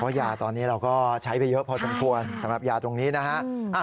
เพราะยาตอนนี้เราก็ใช้ไปเยอะพอสมควรสำหรับยาตรงนี้นะฮะ